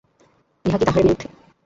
ইহা কি তাহার বিরুদ্ধ?